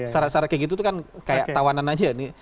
syarat syarat kayak gitu kan kayak tawanan aja